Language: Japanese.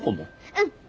うん。